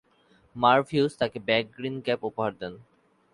মার্ভ Hughes তাকে baggy green cap উপহার দেন।